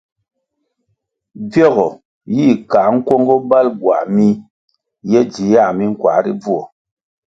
Bviogo yih kah nkwongo bal buā mih ye dzi yā minkuā ri bvuo.